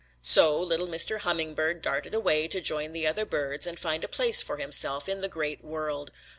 "So little Mr. Hummingbird darted away to join the other birds and find a place for himself in the Great World.